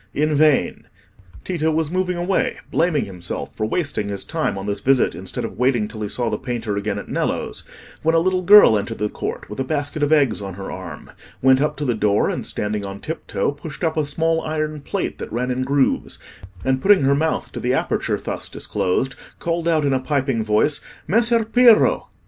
In vain! Tito was moving away, blaming himself for wasting his time on this visit, instead of waiting till he saw the painter again at Nello's, when a little girl entered the court with a basket of eggs on her arm, went up to the door, and standing on tiptoe, pushed up a small iron plate that ran in grooves, and putting her mouth to the aperture thus disclosed, called out in a piping voice, "Messer Piero!"